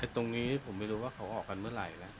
ตรงนี้ผมไม่รู้ว่าเขาออกกันเมื่อไหร่แล้ว